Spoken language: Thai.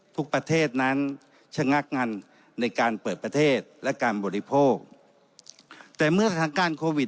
ประเทศนั้นชะงักงันในการเปิดประเทศและการบริโภคแต่เมื่อสถานการณ์โควิด